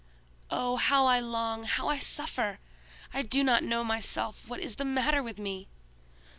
Oh, how I long, how I suffer! I do not know myself what is the matter with me!"